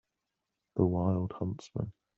The wild huntsman.